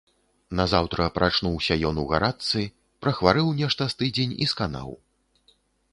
Назаўтра прачнуўся ён у гарачцы, прахварэў нешта з тыдзень і сканаў.